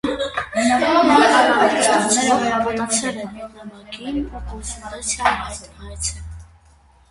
Մի անանուն ստացող հավատացել էր այդ նամակին ու կոնսուլտացիա էր հայցել։